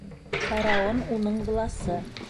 Фараон, уның власы.